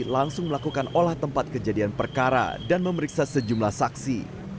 langsung melakukan olah tempat kejadian perkara dan memeriksa sejumlah saksi